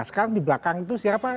sekarang di belakang itu siapa